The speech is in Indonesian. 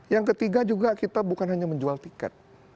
yang ketiga juga kita bukan hanya menjual tiket